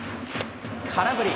空振り。